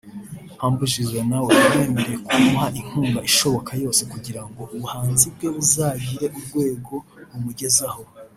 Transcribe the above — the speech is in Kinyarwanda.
Humble Jizzo na we yamwemereye kumuha inkunga ishoboka yose kugira ngo ubuhanzi bwe buzagire urwego bumugezaho